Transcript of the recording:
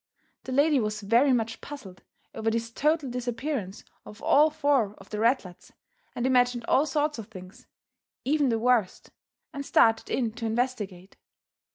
The lady was very much puzzled over this total disappearance of all four of the ratlets and imagined all sorts of things, even the worst, and started in to investigate.